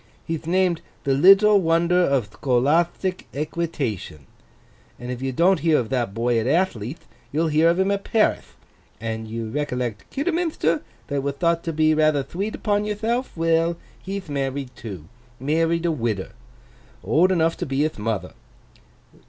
He'th named The Little Wonder of Thcolathtic Equitation; and if you don't hear of that boy at Athley'th, you'll hear of him at Parith. And you recollect Kidderminthter, that wath thought to be rather thweet upon yourthelf? Well. He'th married too. Married a widder. Old enough to be hith mother.